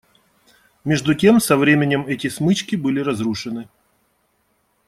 Между тем со временем эти смычки были разрушены.